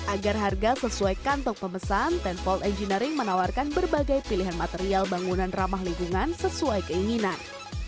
agar harga sesuai kantong pemesan sepuluh engineering menawarkan berbagai pilihan material bangunan ramah lingkungan sesuai keinginan